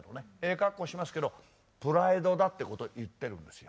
かっこしますけどプライドだってこと言ってるんですよ。